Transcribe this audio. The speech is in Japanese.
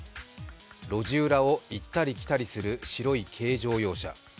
路地裏を行ったり来たりする白い軽乗用車。